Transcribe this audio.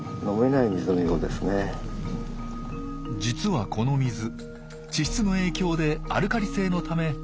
実はこの水地質の影響でアルカリ性のため飲めません。